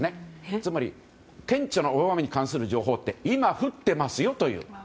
つまり、顕著な大雨に関する情報というのは今、降ってますよという。